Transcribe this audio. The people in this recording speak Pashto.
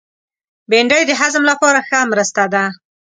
بېنډۍ د هضم لپاره ښه مرسته ده